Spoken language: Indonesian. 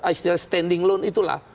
istilah standing loan itulah